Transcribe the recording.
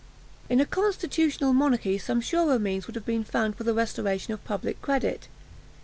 In a constitutional monarchy some surer means would have been found for the restoration of public credit.